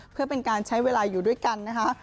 เพื่อเป็นการใช้เวลาอยู่ด้วยกันนะคะ